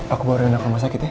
aku bawa rena ke rumah sakit ya